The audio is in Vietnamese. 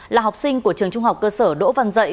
là học sinh của trường trung học cơ sở đỗ văn dạy